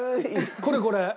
これこれ。